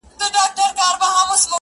هر څوک خپله کيسه جوړوي او حقيقت ګډوډېږي,